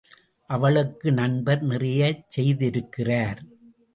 அவளுக்கு நண்பர் நிறையச் செய்திருக்கிறார்.